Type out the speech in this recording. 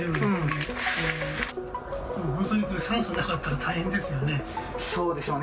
本当に酸素なかったら大変ですよね。